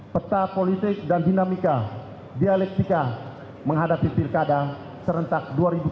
peta politik dan dinamika dialektika menghadapi pilkada serentak dua ribu tujuh belas